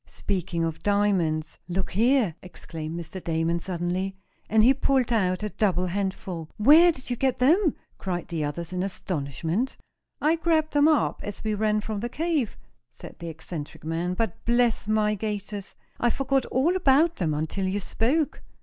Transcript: "Speaking of diamonds, look here!" exclaimed Mr. Damon, suddenly, and he pulled out a double handful. "Where did you get them?" cried the others in astonishment. "I grabbed them up, as we ran from the cave," said the eccentric man; "but, bless my gaiters! I forgot all about them until you spoke.